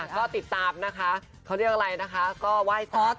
ก็ติดตามนะคะเขาเรียกอะไรนะคะก็ไหว้ซอส